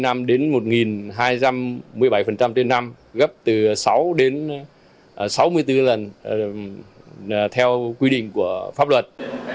tổng số tiền cho vay là hơn hai trăm một mươi bảy trên năm gấp từ sáu đến sáu mươi bốn lần theo quy định của pháp luật